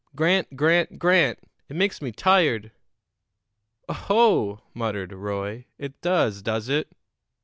Grant, Grant, Grant! It makes me tired!" "Oh, ho!" muttered Roy. "It does, does it?